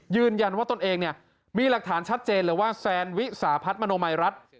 ยืนยันว่าตนเองเนี่ยมีหลักฐานชัดเจนเลยว่าแซนวิสาพัฒน์มโนมัยรัฐ